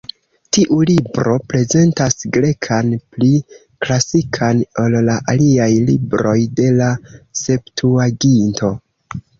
Tiu libro prezentas grekan pli klasikan ol la aliaj libroj de la Septuaginto.